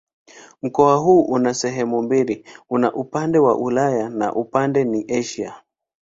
Mkoa huu una sehemu mbili: una upande wa Ulaya na upande ni Asia.